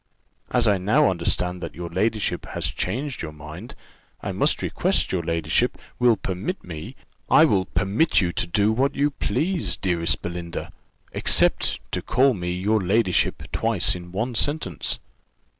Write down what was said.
As I now understand that your ladyship has changed your mind, I must request your ladyship will permit me " "I will permit you to do what you please, dearest Belinda, except to call me your ladyship twice in one sentence.